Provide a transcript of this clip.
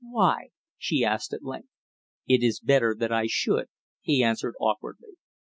"Why?" she asked at length. "It is better that I should," he answered awkwardly.